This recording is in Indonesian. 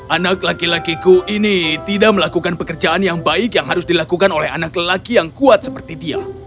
anak laki lakiku ini tidak melakukan pekerjaan yang baik yang harus dilakukan oleh anak lelaki yang kuat seperti dia